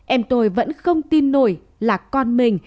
em tôi vẫn không tin nổi là con mình